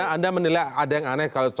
anda menilai ada yang aneh kalau